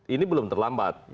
ini belum terlambat